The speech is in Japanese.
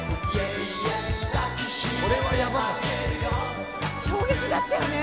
「これはヤバかった」「衝撃だったよね」